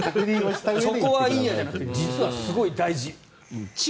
そこはいいやじゃなくて実はすごい大事。